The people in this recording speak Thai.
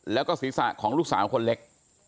แล้วก็ศีรษะของลูกสาวคนเล็ก